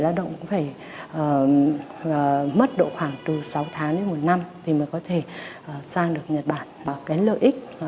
lao động cũng phải mất độ khoảng từ sáu tháng đến một năm thì mới có thể sang được nhật bản cái lợi ích